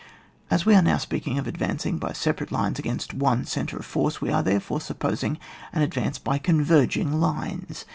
As we are now speaking of advancing by separate lines against one centre of force, we are, therefore, supposing an advance by converging lines.